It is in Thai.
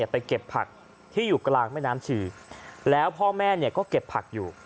ไปเก็บผักที่อยู่กลางแม่น้ำชีแล้วพ่อแม่ก็เก็บผักอยู่